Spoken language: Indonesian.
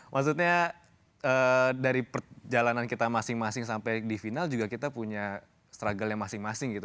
maksudnya dari perjalanan kita masing masing sampai di final juga kita punya struggle nya masing masing gitu